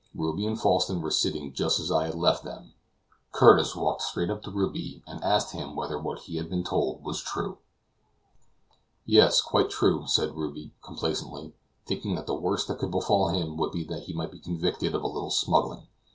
Ruby and Falsten were sitting just as I had left them. Curtis walked straight up to Ruby, and asked him whether what he had been told was true. "Yes, quite true," said Ruby, complacently, thinking that the worst that could befall him would be that he might be convicted of a little smuggling.